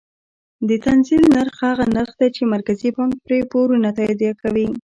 د تنزیل نرخ هغه نرخ دی چې مرکزي بانک پرې پورونه تادیه کوي.